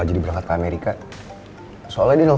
siap aventuran tidur nih